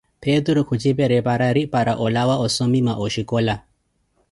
Peturu khutxipereperari para oolawa ossomima oxhicola